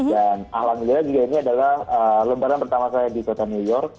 dan alhamdulillah juga ini adalah lebaran pertama saya di kota new york